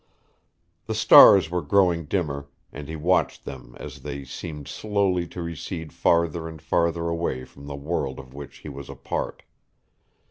The stars were growing dimmer, and he watched them as they seemed slowly to recede farther and farther away from the world of which he was a part.